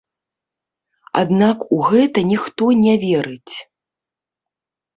Аднак у гэта ніхто не верыць.